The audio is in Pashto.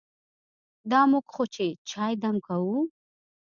دا موږ خو چې چای دم کوو.